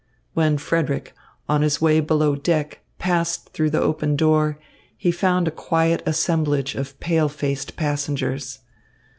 When Frederick, on his way below deck, passed through the open door, he found a quiet assemblage of pale faced passengers.